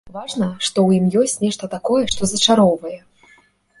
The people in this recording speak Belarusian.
Важна, што ў ім ёсць нешта такое, што зачароўвае.